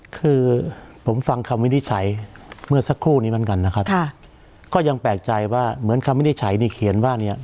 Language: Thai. คือผมฟังคำวินิจฉัยเมื่อสักครู่นี้เหมือนกันนะครับค่ะก็ยังแปลกใจว่าเหมือนคำวินิจฉัยนี่เขียนว่าเนี่ย